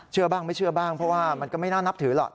เชื่อบ้างไม่เชื่อบ้างเพราะว่ามันก็ไม่น่านับถือหรอก